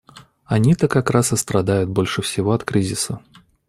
Они-то как раз и страдают больше всего от кризиса.